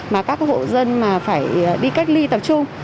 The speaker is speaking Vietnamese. mà các hộ dân mà phải đi cách ly tập trung